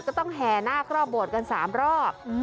ก็ต้องแหนะเคราะห์โบดกันสามรอบ